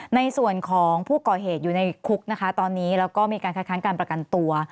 ในส่วนของผู้ก่อเหตุอยู่ในคุกนะคะตอนนี้แล้วก็มีการคัดค้างการประกันตัว